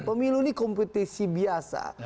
pemilu ini kompetisi biasa